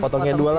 potongnya dua lah